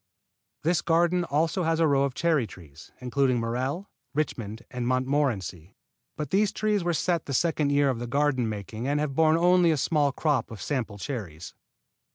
This garden has also a row of cherry trees, including Morello, Richmond and Montmorency; but these trees were set the second year of the garden making and have borne only a small crop of sample cherries.